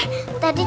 tadi ada hantu